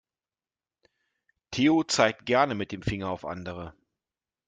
Theo zeigt gerne mit dem Finger auf andere.